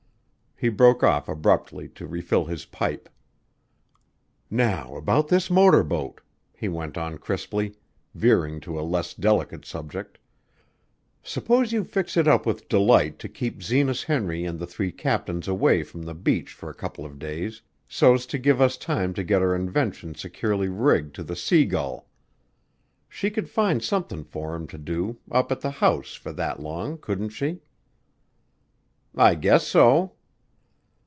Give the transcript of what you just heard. He broke off abruptly to refill his pipe. "Now about this motor boat," he went on crisply, veering to a less delicate subject. "S'pose you fix it up with Delight to keep Zenas Henry an' the three captains away from the beach for a couple of days so'st to give us time to get our invention securely rigged to the Sea Gull. She could find somethin' for 'em to do up at the house for that long, couldn't she?" "I guess so."